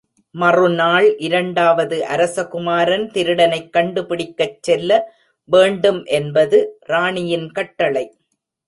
மறுநாள் இரண்டாவது அரசகுமாரன் திருடனைக் கண்டுபிடிக்கச் செல்ல வேண்டும் என்பது ராணியின் கட்டளை.